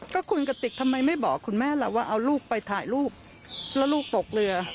ก็คุณกติกทำไมไม่บอกคุณแม่ล่ะว่าเอาลูกไปถ่ายรูปแล้วลูกตกเรือ